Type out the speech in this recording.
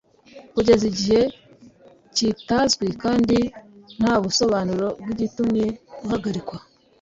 kugeza igihe kitazwi kandi ntabusobanuro bw'igitumye uhagarikwa